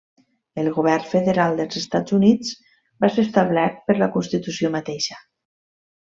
El govern federal dels Estats Units va ser establert per la constitució mateixa.